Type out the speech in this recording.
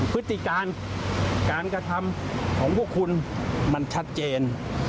พฤติการการกระทำของพวกคุณมันชัดเจน